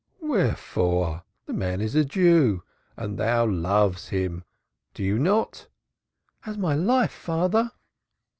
"Wherefore? The man is a Jew. And thou lovest him, dost thou not?" "As my life, father."